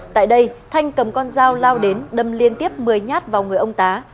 tại đây thanh cầm con dao lao đến đâm liên tiếp một mươi nhát vào người ông tá